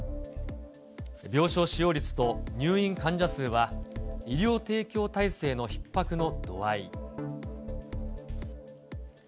病床使用率と入院患者数は、医療提供体制のひっ迫の度合。